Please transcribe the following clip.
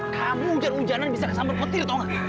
kamu hujan hujanan bisa kesambar kotir tau gak